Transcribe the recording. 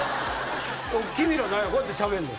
君ら何やこうやってしゃべんの？